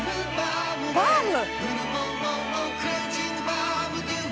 バーム！